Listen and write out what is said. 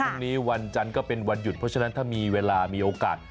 วันจันทร์ก็เป็นวันหยุดเพราะฉะนั้นถ้ามีเวลามีโอกาส